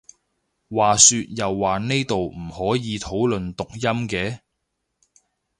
話說又話呢度唔可以討論讀音嘅？